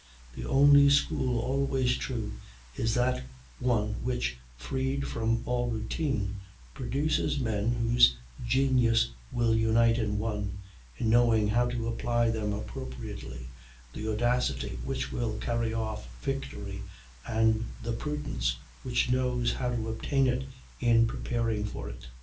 The only school always true is that one which, freed from all routine, produces men whose genius will unite in one, in knowing how to apply them appropriately, the audacity which will carry off victory, and the prudence which knows how to obtain it in preparing for it."